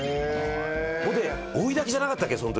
それで追い炊きじゃなかったわけその時。